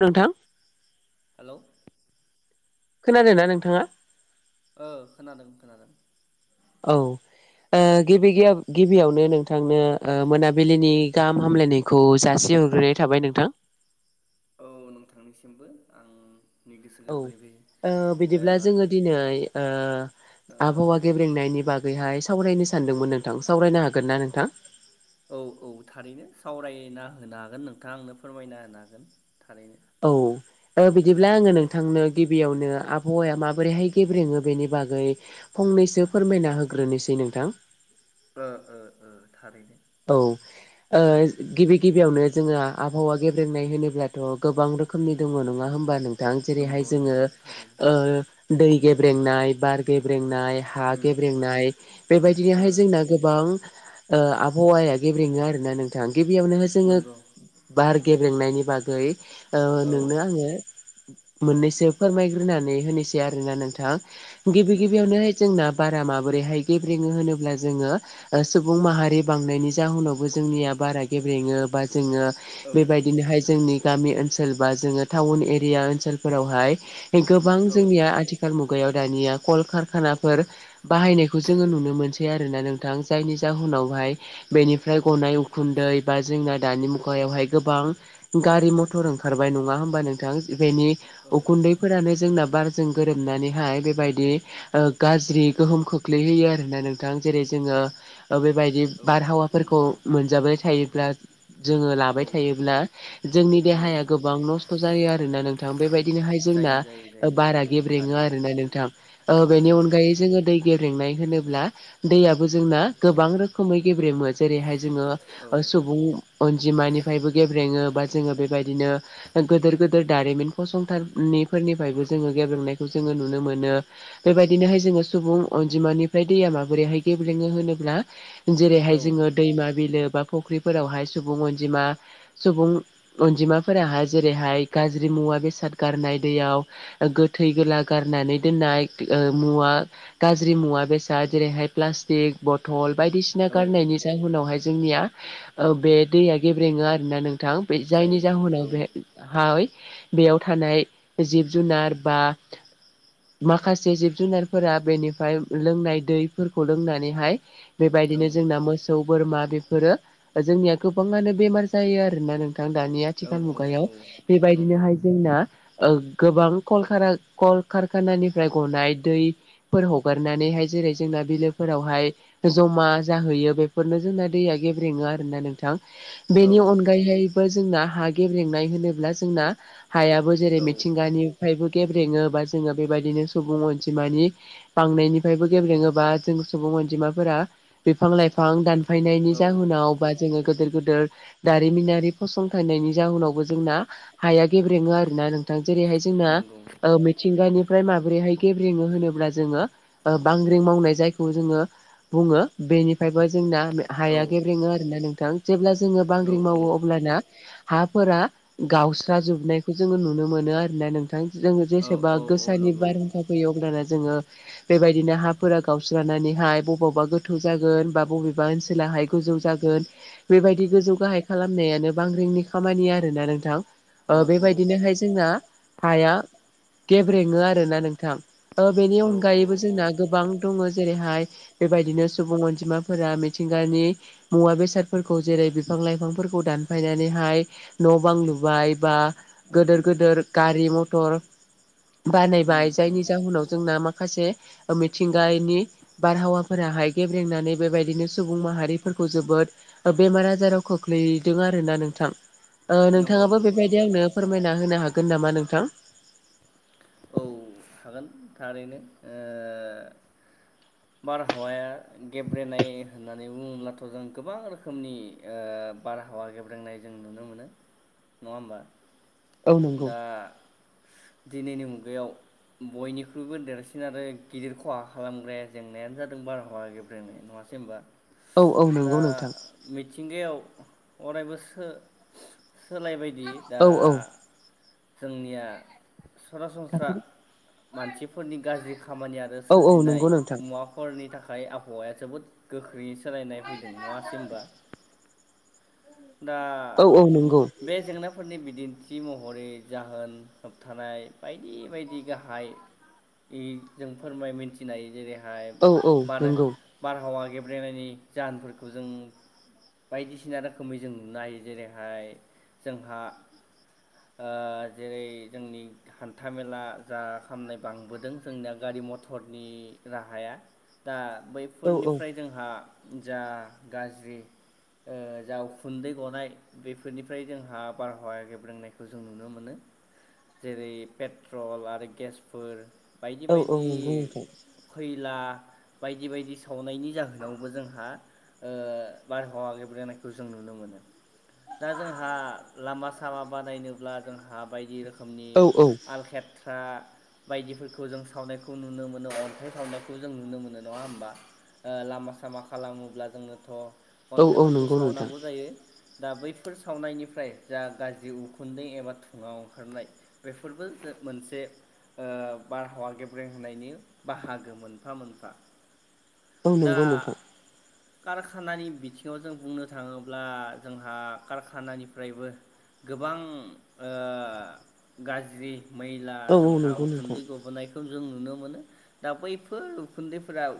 नोंथां हेल' खोनादोंना नोंथाङा ओ खोनादों खोनादों औ ओ औ गिबि गिबियावनो नोंथांनो मोनाबिलिनि गाहाम हामलायनायखौ जासिहर ग्रोनाय थाबाय नोंथां नोंनिसिमबो आंनि गोसो औ गोरबोनिफ्राय ओ बिदिब्ला जोङो दिनै ओ आबहावा गेब्रेंनायनि बागैहाय सावरायनो सानदोंमोन नोंथां सावरायनो हागोन ना नोंथां औ औ थारैनो सावरायना होनो हागोन नोंथाङा आंनो फोरमायना होनो हागोन थारैनो औ बिदिब्ला ओ आङो नोंथांनो गि- -बियावनो आबहावाया माबोरैहाय गेब्रेङो बेनि बागै फंनैसो फोरमायना होग्रोनोसै नों थां ओ ओ ओ‌ थारैनो औ ओ गिबि गिबियावनो जोङो आबहावा गेब्रेंनाय होनोब्लाथ' गोबां रोखोमनि दङ नङा होमबा नोंथां जेरैहाय नंगौ जोङो नंगौ थारैनो ओ दै गेब्रेंनाय बार गेब्रेंनाय हा उम गेब्रेंनाय ओ बेबायदिनोहाय जोंना गोबां आबहावाया गेब्रेङो आरो ना नोंथां गिबियावनो जोङो नंगौ बार गेब्रेंनायनि बागै ओ औ नोंनो आङो औ मोननैसो फोरमायग्रोनानै होनोसै आरोना नोंथां गिबि नंगौ गिबियावनोहाय जोंना बारा माबोरैहाय गेब्रेङो होनोब्ला जोङो सुबुं माहारि बांनायनि जाहोनावबो जोंनिया बारा गेब्रेङो बा जोङो औ बेबायदिनोहाय जोंनि गामि ओनसोल बा जोङो टाउन एरिया ओनसोलफोरावहाय गोबां औ जोंनिया आथिखाल मुगा- -गायाव दानिया कलकारखानाफोर बाहायनायखौ जोङो नुनो मोनसै आरो आरोना नोंथां जायनि जाहोनावहाय बेनिफ्राय गनाय उखुन्दै बा जोंना दानि मुगायावहाय गोबां गारि मथर ओंखार ओंखारबाय नङा होमबा नोंथां बेनि औ उखुन्दैफोरानो जोंना बार जों गोरोबनानैहाय बेबायदि गाज्रि गोहोम खोख्लैहोयो आरोना नोंथां जेरै जोङो बेबायदि औ बारहावाफोरखौ मोनजाबाय थायोब्ला। जोङो लाबाय थायोब्ला जोंनि औ देहाया गोबां नस्थ' जायो आरोना नोंथां बेबायदि नोहाय जोंना जायो जायो जायो बारा गेब्रेङो थारैनो आरोना नोंथां औ बेनि औ अनगायै जोङो दै गेब्रेंनाय होनोब्ला दैयाबो जोंना गोबां रोखोमै गेब्रेङो जेरैहाय जोङो औ सुबुं अनजिमानिफ्रायबो गेब्रेङो बा जोङो बेबायदिनो गोदोर गोदोर दारिमिन फसंथान निफोरनिफ्रायबो जोङो गेब्रेंनायखौ जोङो नुनो मोनो बेबायदिनोहाय जोङो सुबुं अनजिमानिफ्राय दैया माबोरैहाय गेब्लेङो होनोब्ला औ जेरैहाय जोङो दैमा बिलो बा फुख्रिफोरावहाय सुबुं अनजिमा सुबुं अनजि माफोराहाय जेरैहाय गाज्रि मुवा बेसाद गारनाय दैयाव गोथै गोला गारनानै दोननाय ओ मुवा गाज्रि मुवा बेसाद जेरैहाय प्लास्टक बथल बायदि सिना औ गारनायनि जाहोनावहाय जोंनिया बे दैया गेब्रेङो आरोना नों थां बे जायनि जायो जाहोनाव बे जायो हाय बेयाव थानाय जिब जुनार बा माखासे जिब जुनारफोरा बेनिफ्राय लोंनाय दैफोरखौ लोंनानैहाय औ बेबायदिनो जोंना मोसौ बोरमा बेफोरो जोंनिया गोबाङानो बेमार जायो आरोना नों थां दानि औ आथिखाल मुगायाव औ नंगौ बेबायदिनोहाय जोंना ओ गोबां कलखाना कलकारखानानिफ्राय गनाय दैफोर हगारनानैहाय जेरै जोंना बिलोफोरावहाय ज'मा जाहैयो। बेफोरनो जोंना दैया गेब्रेङो आरोना नोंथां औ बेनि अनगायैहाय बो जोंना हा गेब्रेंनाय होनोब्ला जोंना हायाबो जेरै औ मिथिंगानि फ्रायबो गेब्रेङो बा जोङो बेबायदिनो सुबुं अनजिमानि बांनायनिफ्रायबो गेब्रेङो बा जों सुबुं अनजिमाफोरा बिफां लाइफां दानफायनायनि औ जाहोनाव बा जोङो गोदोर गोदोर दारिमिनारि फसंथानायनि जाहोनावबो जोंना हाया गेब्रेङो आरोना नोंथां जेरैहाय जोंना नंगौ ओ मिथिंगानि फ्राय माबोरैहाय गेब्रेङो होनोब्ला जोङो बांग्रिं मावनाय जायखौ जोङो बुङो बेनिफ्रायबो जोंना औ हाया गेब्रेङो आरोना नोंथां जेब्ला जोङो औ बांग्रिं मावो। अब्लाना हाफोरा गावस्राजोबनायखौ जोङो नुनो मोनो आरोना नोंथां जोङो जेसेबा औ गोसानि नंगौ बारहुंखा फैयो अब्लाना जोङो बेबायदिनो हाफोरा गावस्रानानैहाय बबावबा गो थौ जागोन बा बबेबा ओनसोलाहाय गोजौ जागोन बेबायदि गोजौ गाहाय खालामनायानो बांग्रिं नि खामानि आरोना नोंथां। औ ओ बेबायदिनोहाय जोंना हाया गेब्रेङो आरो ना नोंथां ओ बेनि औ औ अनगायैबो जोंना औ गोबां दङो। जेरैहाय बेबायदिनो सुबुं अनजिमाफोरा मिथिंगानि मुवा बेसादफोरखौ जेरै बिफां लाइफांफोरखौ दानफायनानैहाय हाय न' बां लुबाय बा गिदिर गिदिर गारि मथर उम बानायबाय उम जायनि जाहोनाव जोंना माखासे मिथिंगानि बारहावाफोराहाय गेब्रेंनानै बेबायदिनो सुबुं माहारिफोरखौ जोबोद बेमार आजाराव खोख्लैदों आरोना नों थां नंगौ नोंथाङाबो नंगौ बेबायदि नंगौ आंनो फोरमायना होनो हागोन नामा नोंथां? औ हागोन थारैनो ओ बारहावाया गेब्रेंनाय होननानै बुङोब्लाथ' जोङो गोबां रोखोमनि ओ बारहावा गेब्रेंनाय जों नुनो मोनो नङा होमबा? औ नंगौ दा दिनैनि मुगायाव बयनिख्रुइबो देरसिन आरो गिदिर खहा खालामग्राया जेंनायानो जादों बारहावा गेब्रेंनाय नङा। सै होनबा औ औ दा नंगौ नोंथां मिथिंगायाव अरायबोसो सोलायबायदि दा औ औ जोंनिया सरास खाखोरि मानसिफोरनि गाज्रि खामानि आरो औ नंगौ सोरजिनाय नोंथां मुवाफोरनि थाखाय हाय आबहावाया जोबोद गोख्रैयै सोलायनाय फैदों नङासै होनबा? दा औ औ नंगौ बे जेंनाफोरनि बि दिन्थि महरै जाहोन होबथानाय बायदि बायदि गाहाय इ जों फोरमाय मिथिनाय जेरैहाय औ औ बादो नंगौ बारहावा गेब्रेंनायनि जाहोनफोरखौ जों बायदिसिना रोखो खोमै जों नुनो हायो जेरैहाय जोंहा ओ जेरै जोंनि हान्थामेला जा खामनाय बांबोदों जोंनिया गा रि मथरनि राहाया दा औ बैफोरनिफ्राय जोंहा जा गाज्रि ओ जा उखुन्दै गनाय बेफोरनिफ्राय जोंहा बारहावा गेब्रेंनायखौ जों नुनो मोनो। जेरै पेट्रल आरो गेसफोर बायदि औ औ बायदि नंगौ नोंथां खैला बायदि बायदि सावनायनि जाहोनावबो जोंहा बारहावा ओ गेब्रेनाय खौ जों नुनो मोनो दा जोंहा लामा सामा बादायनोब्ला जों हा बायदि रो खोमनि औ औ आलखेट फ्रा बायदिफोरखौ जों सावनायखौ नुनो मोनो अन्थाइ सावनायखौ जों नुनो मोनो नङा होमबा? ओ लामा सामा खालामोब्ला जोंनोथ' औ औ अन्थाइफोरखौ नंगौ नोंथां सावनांगौ जायो। दा बैफोर सावनायनिफ्राय जा गाज्रि उखुन्दै एबा धुङाव अंखारनाय बेफोरबो मोनसे ओ बारहावा गेब्रें होनायनि बाहागो मोनफा मोनफा। औ दा नंगौ नोंथां। कारखानानि बिथिङाव जों बुंनो थाङोब्ला जोंहा कारखानानिफ्रायबो गोबां ओ गाज्रि मैला औ औ जोंहा नंगौ नोंथां उखुन्दै गबोनायखौ जों नुनो मोनो दा बैफोर उखुन्दैफोराव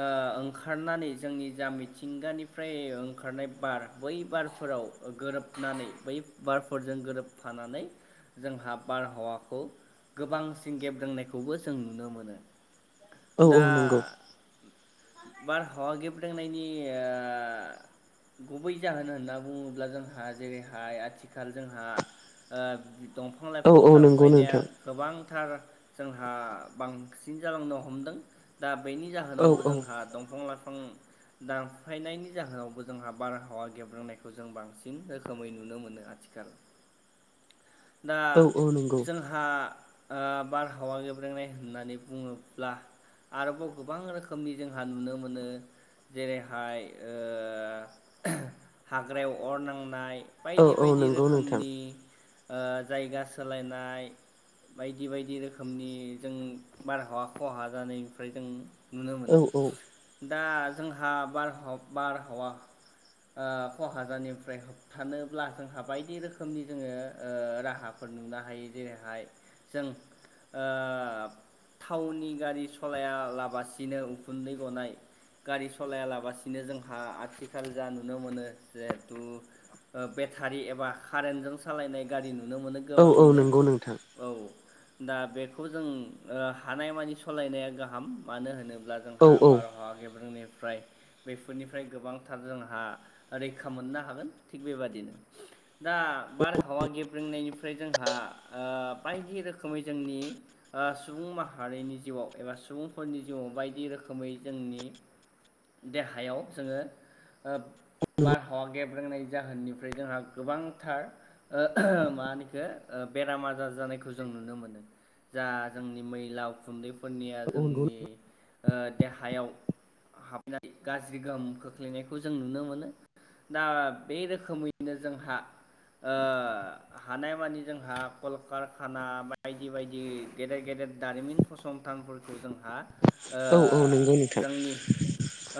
ओ ओंखारनानै जोंनि जा मिथिंगानिफ्राय ओंखारनाय बार बै बारफोराव गोरोबनानै बै बारफोरजों गोरोबफानानै जोंहा बारहावाखौ गोबांसिन गेब्रेंनायखौबो जों नुनो मोनो। औ दा औ नंगौ बारहावा गेब्रेंनायनि ओ गुबै जाहोन होनना बुङोब्ला जोंहा जेरैहाय आथिखाल जोंहा ओ दंफां औ लाइफां औ नंगौ दानफायनाया नोंथां गोबां थार जोंहा बांसिन जालांनो हमदों दा बैनि औ जाहोनावबो औ जोंहा दंफां लाइफां दानफायनायनि जाहोनावबो जोंहा बारहावा गेब्रेंनायखौ जों बांसिन रोखोमै नुनो मोनो आथिखाल। [inaudible] दा औ नंगौ जोंहा ओ बारहावा गेब्रेंनाय होननानै बुङोब्ला आरोबाव गोबां रोखोमनि जोंहा नुनो मोनो जेरैहाय ओ हाग्रायाव अर नांनाय औ बायदि औ बायदि नंगौ नोंथां रोखोमनि ओ जायगा सोलायनाय बायदि बायदि रोखोमनि जों बारहावा खहा जानायनिफ्राय जों नुनो औ मोनो औ दा जोंहा बारहावा बारहावा [inaudible] ओ खहा जानायनिफ्राय होबथानोब्ला जोंहा बायदि रोखोमनि जोङो ओ राहाफोर नुनो बाहायो जेरैहाय जों ओ थावनि गारि सलायालाबसिनो उखुन्दै गनाय गारि सलायालाबसिनो जोंहा आथि खाल जा नुनो मोनो जिहेथु बेटारि एबा कारेन्टजों सालायनाय गारि नु नुनो मोनो औ औ गोबाङैनो नंगौ नोंथां औ। दा बेखौ जों ओ हानायमानि सालायनाया गाहाम मानो होनो ब्ला औ जोंहा औ बारहावा गेब्रेंनिफ्राय बेफोरनिफ्राय गोबां जोंहा रैखा मोननो हागोन थिग बेबाददिनो दा बारहावा गेब्रें नायनिफ्राय जोंहा बायदि ऐ रोखोमै जोंनि सुबुं माहारिनि जिउआव एबा सुबुंफोरनि जिउआव बायदि रोखोमै जोंनि देहायाव जोङो ओ बारहावा गेब गेब्रेंनाय जाहोननिफ्राय जोंहा गोबांथार मा होनो इखो बेराम आजार जानाय खौ नुनो मोनो जा जोंनि मैला उखुन्दै फोरनिया जोंनि ओ देहायाव हाबनाय गाज्रि गोहोम खोख्लै [unintelligible] सोलिनायखौ जों नुनो मोनो दा बे रोखोमैनो जोंहा ओ हानाय मानि जोंहा कलकारखाना बायदि बायदि गेदेर गेदेर दारिमिन फसंथानफोरखौ जोंहा ओ औ औ नंगौ नोंथां जोंनि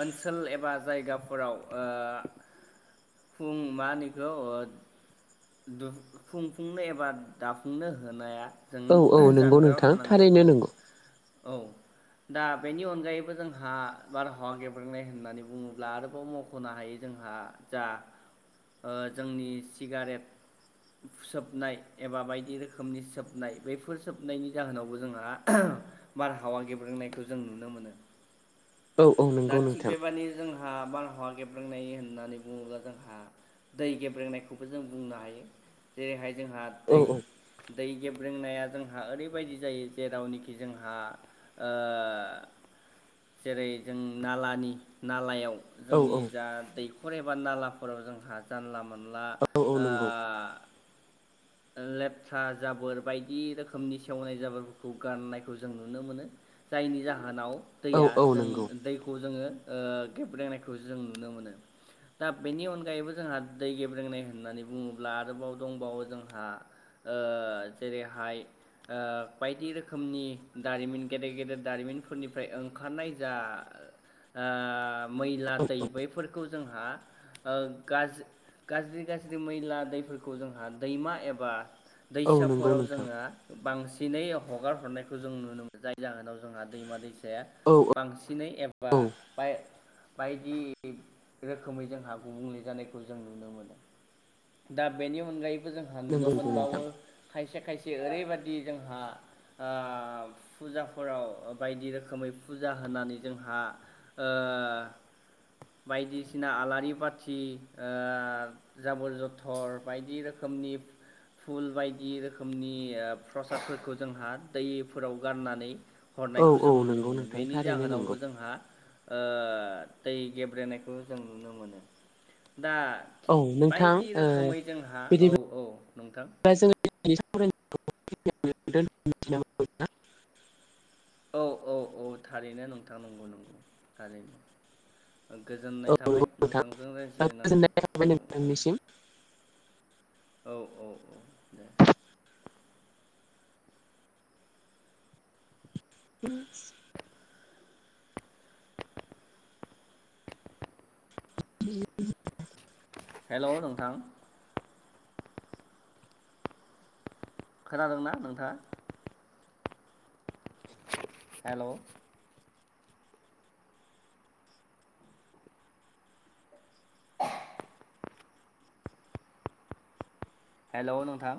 ओनसोल एबा जायगाफोराव ओ फुं मानिखौ दु खुंफुंनो एबा दाफुंनो होनाया जों औ औ नंगौ जानगाराव नोंथां थानांगौ थारैनो औ नंगौ औ दा बेनि अनगायैबो जोंहा बारहावा गेब्रेंनाय होननानै बुङो ब्ला आरोबाव मख'नो हायो जोंहा जा जोंनि सिगारेट सोबनाय एबा बायदि रोखोमनि सोबनाय बैफोर सोबनायनि जाहोनावबो जोंहा बारहावा गेब्रेंनायखौ जों नुनो मोनो औ औ नोंगौ नोंथां हा बारहावा गेब्रांनाय होननानै बुङोब्ला जोंहा दै गेब्रेनायखौबो जों बुंनो हायो जेरैहाय जोंहा औ दै दै गेब रेंनाया जोंहा ओरैबायदि जायो जेरावनोखि जोंहा ओ जेरै जों नालानि नालायाव औ जोंनि जा दैखर एबा नालाफोराव जोंहा जानला मोन ला औ औ ओ नंगौ लेथथ्रा जाबोर बायदि रोखोमनि सेवनाय जाबोरफोरखौ गारनायखौ जों नुनो मोनो जायनि जाहोनाव औ दैया औ जों नंगौ दैखौ जोङो गेब्रेंनायखौ जों नुनो मोनो दा बेनि अनगायैबो जोंहा दै गेब्रेंनाय होननानै बुङोब्ला आरोबाव दंबावो जों ओ जेरैहाय ओ बायदि रोखोमनि दारिमिन गेदेर गेदेर दारिमिनफोरनिफ्राय ओंखारनाय जा ओ मैला औ दै बैफोरखौ जोंहा ओ गाज गाज्रि गाज्रि मैला दैफोरखौ जोंहा दैमा एबा औ नंगौ दैसाफोराव नोंथां जोङो बांसिनै हगार हरनायखौ जों नुनो मोनो जाय जाहोनाव जोंहा दैमा-दैसा औ बांसिनै एबा औ बाय बायदि रोखोमै जोंहा गुबुंले जानायखौ जों नुनो मोनो। दा बेनि अनगायैबो जोंहा नुनो नंगौ नंगौ नोंथां मोनबावो खायसे खायसे ओरैबायदि जोंहा फुजाफोराव बायदि रोखोमै फुजा होनानै जोंहा बायदिसिना आलारि बाथि ओ जाबोर जथर बायदि रोखोमनि [inaudible] फुल बायदि रोखोमनि प्रसादफोरखौ जोंहा दैफोराव गारनानै औ हरनायखौ औ जों नुनो नंगौ मोनो नोंथां बेनि थारैनो नंगौ जाहोनावबो जोंहा ओ दै गेब्रेनायखौ जों नुनो मोनो दा औ थिग नोंथां बायदि ओ रोखोमै जोंहा औ बिदिब्ला औ नोंथां [unintelligible] औ औ औ थारैनो नोंथां नंगौ नंगौ थारैनो औ गोजोननाय थाबाय नंगौ नोंथां नोंथांजों रायज्लायनानै गोजोननाय थाबाय औ औ नोंथांनिसिम औ औ औ दे उम [unintelligible] हेल' नोंथां खोनादोंना नोंथाङा? हेल' [inaudible] हेल' नोंथां